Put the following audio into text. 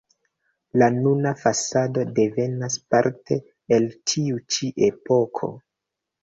La nuna fasado devenas parte el tiu ĉi epoko.